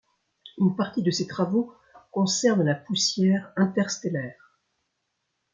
Une partie de ses travaux concernent la poussière interstellaire.